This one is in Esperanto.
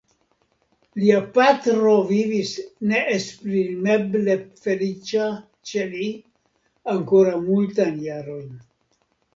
Lia patro vivis neesprimeble feliĉa ĉe li ankoraŭ multajn jarojn.